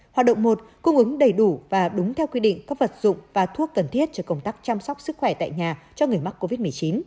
hoạt động một cung ứng đầy đủ và đúng theo quy định các vật dụng và thuốc cần thiết cho công tác chăm sóc sức khỏe tại nhà cho người mắc covid một mươi chín